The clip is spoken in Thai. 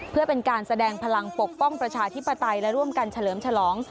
เพื่อเป็นการแสดงพลังปกป้องประชาธิปไตยและร่วมกันเฉลิมฉลอง